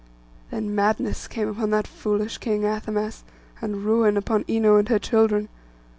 Then madness came upon that foolish king, Athamas, and ruin upon Ino and her children.